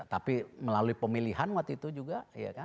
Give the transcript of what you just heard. tapi melalui pemilihan waktu itu juga